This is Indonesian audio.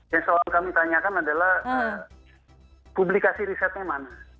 yang selalu kami tanyakan adalah publikasi risetnya mana